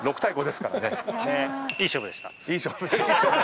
６対５ですからね。